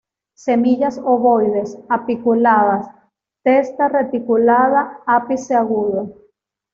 Semillas ovoides, apiculadas; testa reticulada; ápice agudo.